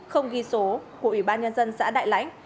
không ghi số của ủy ban nhân dân xã đại lãnh